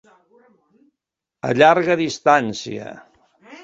A llarga distància.